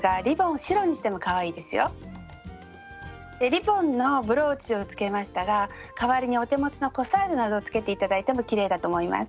リボンのブローチをつけましたら代わりにお手持ちのコサージュなどをつけて頂いてもきれいだと思います。